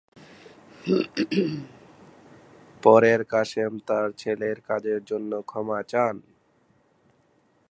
পরে কাশেম তার ছেলের কাজের জন্য ক্ষমা চান।